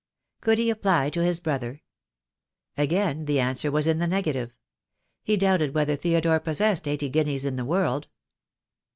Could be apply to his brother? Again the answer was in the negative. He doubted whether Theodore possessed eighty guineas in the world.